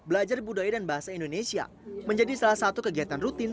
belajar budaya dan bahasa indonesia menjadi salah satu kegiatan rutin